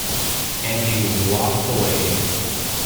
And he walked away.